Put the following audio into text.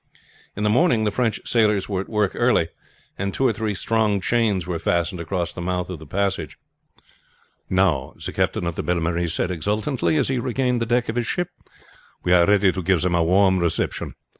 In the morning the French sailors were at work early, and two or three strong chains were fastened across the mouth of the passage. "Now," the captain of the Belle Marie said exultantly, as he regained the deck of his ship, "we are ready to give them a warm reception.